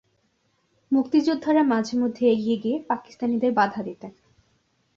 মুক্তিযোদ্ধারা মাঝেমধ্যে এগিয়ে গিয়ে পাকিস্তানিদের বাধা দিতেন।